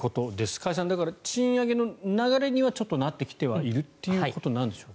加谷さん賃上げの流れにはちょっとなってきているということなんでしょうか。